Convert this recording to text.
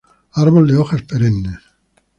Árbol de hojas perennes.